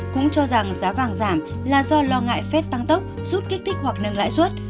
cũng cho rằng giá vàng giảm là do lo ngại phép tăng tốc rút kích thích hoặc nâng lãi suất